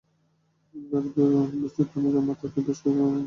তার ওপর বৃষ্টির পানি জমে থাকায় বেশ কিছু ধানগাছে পচন ধরেছে।